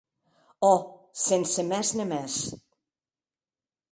Òc, sense mès ne mès.